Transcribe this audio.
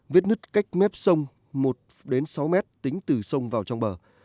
vết nứt cách mép sông một đến sáu m tính từ sông vào trong bờ